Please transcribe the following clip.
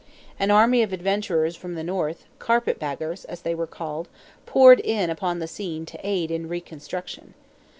An army of adventurers from the North, "carpet baggers" as they were called, poured in upon the scene to aid in "reconstruction."